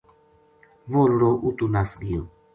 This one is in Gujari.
وہ لڑو اُتو نَس گیو